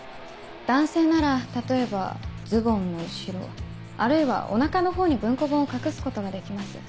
男性なら例えばズボンの後ろあるいはお腹のほうに文庫本を隠すことができます。